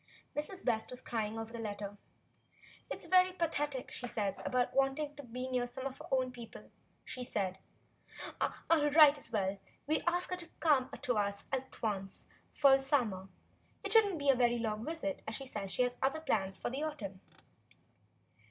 Mrs. West was crying over the letter. "It is very pathetic what she says about wanting to be near some of her own people," she said. "I'll write as well as you, and we'll ask her to come to us at once for the summer. It would n't be such a very long visit, for she says she has other plans for the autumn."